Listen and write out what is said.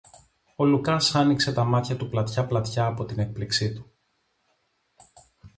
Ο Λουκάς άνοιξε τα μάτια του πλατιά πλατιά από την έκπληξη του.